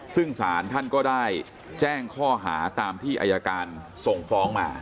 ซึ่งศาลท่านก็ได้แจ้งข้อหาตามที่อายการส่งฟ้องมา